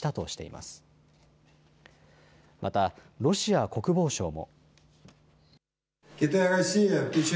またロシア国防省も。